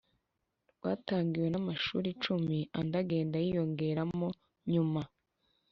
Ryatangiwe n'amashuri icumi, andi agenda yiyongeramo nyuma.